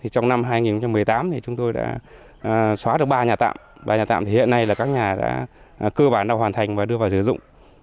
trong năm hai nghìn một mươi tám chúng tôi đã xóa được ba nhà tạm ba nhà tạm thì hiện nay là các nhà đã cơ bản đã hoàn thành và đưa vào sử dụng